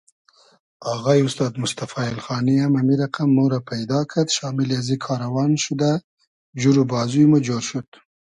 آغایی اوستاد موستئفا اېلخانی ام امی رئقئم مورۂ پݷدا کئد شامیلی ازی کاروان شودۂ جور و بازوی مۉ جۉر شود